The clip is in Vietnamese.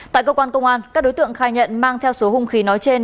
tại cơ quan công an các đối tượng khai nhận mang theo số hung khí nói trên